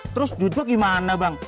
terus duit gua gimana bang